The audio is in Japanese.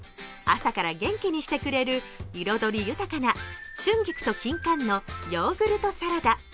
朝から元気にしてくれる彩り豊かな春菊と金柑のヨーグルトサラダ